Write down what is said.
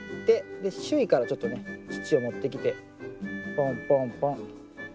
で周囲からちょっとね土を持ってきてポンポンポン。